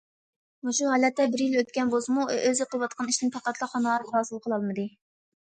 مۇشۇ ھالەتتە بىر يىل ئۆتكەن بولسىمۇ، ئۇ ئۆزى قىلىۋاتقان ئىشتىن پەقەتلا قانائەت ھاسىل قىلالمىدى.